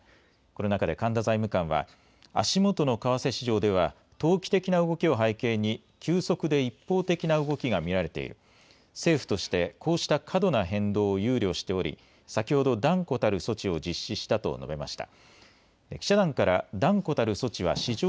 この中で神田財務官は足元の為替市場では投機的な動きを背景に急速で一方的な動きが見られている政府としてこうした過度な変動を憂慮しており先ほど断固たる措置を実施したと述べました。